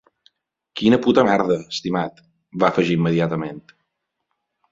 “Quina puta merda, estimat”, va afegir immediatament.